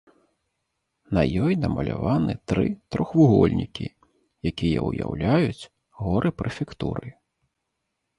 На ёй намаляваны тры трохвугольнікі, якія ўяўляюць горы прэфектуры.